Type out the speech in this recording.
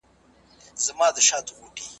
که باد وي، ډېر ږدن او پاڼي به له کړکۍ څخه راسي.